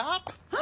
あ。